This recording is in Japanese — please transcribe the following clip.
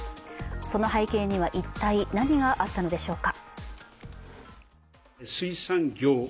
その背景には一体、何があったのでしょうか。